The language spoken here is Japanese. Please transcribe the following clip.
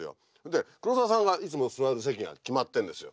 で黒澤さんがいつも座る席が決まってるんですよ。